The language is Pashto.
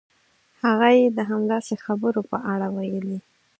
هغه یې د همداسې خبرو په اړه ویلي.